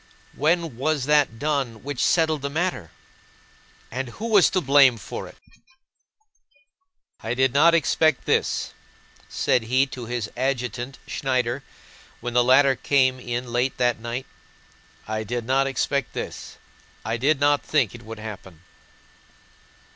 When was that done which settled the matter? And who was to blame for it?" "I did not expect this," said he to his adjutant Schneider when the latter came in late that night. "I did not expect this! I did not think this would happen."